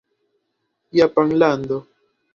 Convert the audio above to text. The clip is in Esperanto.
Japanlando